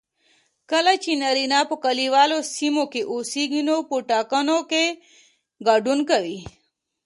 کله چې نارینه په کليوالو سیمو کې اوسیږي نو په ټاکنو کې ګډون کوي